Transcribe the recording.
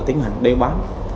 tiến hành đeo bám